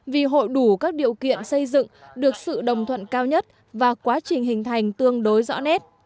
vì hội đủ các điều kiện xây dựng được sự đồng thuận cao nhất và quá trình hình thành tương đối rõ nét